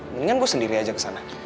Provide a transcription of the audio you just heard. mendingan gue sendiri aja kesana